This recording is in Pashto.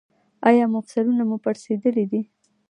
ایا مفصلونه مو پړسیدلي دي؟